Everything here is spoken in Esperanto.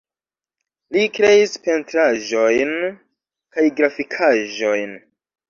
Li kreis pentraĵojn kaj grafikaĵojn.